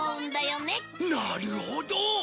なるほど！